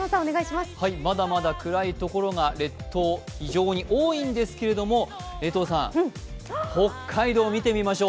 まだまだ暗い所が列島、非常に多いんですけど、江藤さん、北海道見てみましょう。